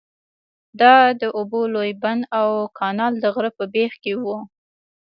دا د اوبو لوی بند او کانال د غره په بیخ کې وو.